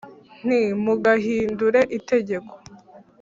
nti mugahindure itegeko